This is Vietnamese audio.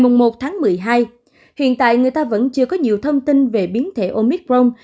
trong tuyên bố ngày một tháng một mươi hai hiện tại người ta vẫn chưa có nhiều thông tin về biến thể omicron